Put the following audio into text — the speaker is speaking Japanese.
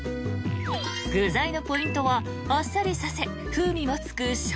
［具材のポイントはあっさりさせ風味もつくショウガ］